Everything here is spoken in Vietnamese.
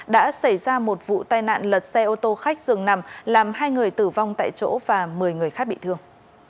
đã xảy ra một vụ tai nạn lật xe ô tô khách dường nằm làm hai người tử vong tại chỗ và một mươi người khác bị thương